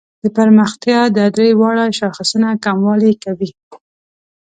د پرمختیا دا درې واړه شاخصونه کموالي کوي.